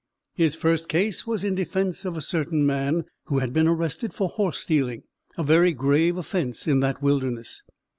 His first case was in defense of a certain man who had been arrested for horse stealing, a very grave offense in that wilderness.